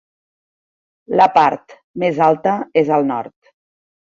La part més alta és al nord.